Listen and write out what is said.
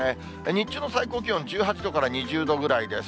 日中の最高気温１８度から２０度ぐらいです。